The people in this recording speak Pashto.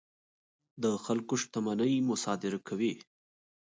د خلکو شتمنۍ مصادره کوي.